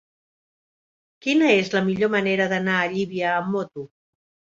Quina és la millor manera d'anar a Llívia amb moto?